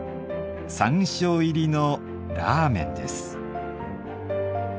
山椒入りのラーメンです。